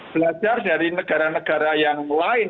belajar dari negara negara yang lain